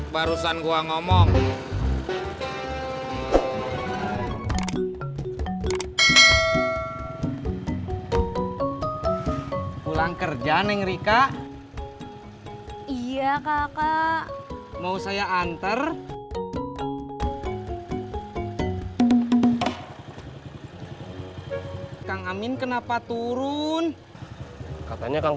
pulang kerja neng rika iya kakak mau saya anter kang amin kenapa turun katanya kang